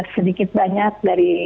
sedikit banyak dari